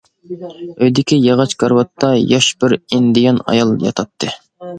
ئۆيدىكى ياغاچ كارىۋاتتا ياش بىر ئىندىيان ئايال ياتاتتى.